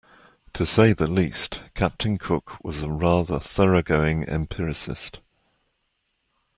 To say the least, Captain Cook was a rather thorough going empiricist.